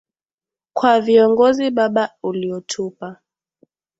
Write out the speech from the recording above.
kwa viongozi Baba uliotupa.